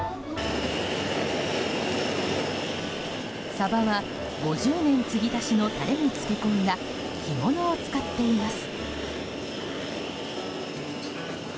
サバは５０年継ぎ足しのタレに漬け込んだ干物を使っています。